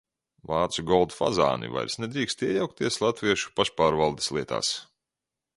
"Vācu "goldfazāni" vairs nedrīkst iejaukties latviešu pašpārvaldes lietās."